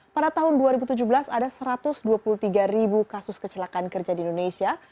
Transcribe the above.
pada tahun dua ribu tujuh belas ada satu ratus dua puluh tiga ribu kasus kecelakaan kerja di indonesia